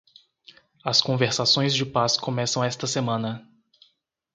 As conversações de paz começam esta semana.